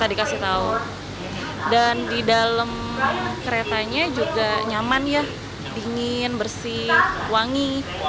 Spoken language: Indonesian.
dan di dalam keretanya juga nyaman ya dingin bersih wangi